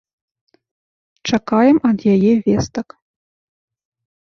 Чакаем ад яе вестак.